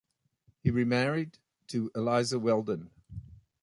He remarried to Eliza Weldon.